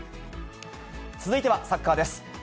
続いてはサッカーです。